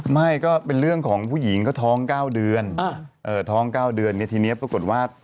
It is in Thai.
ไม่ก็เป็นเรื่องของผู้หญิงท้อง๙เดือนที่นี้ปรากฏว่า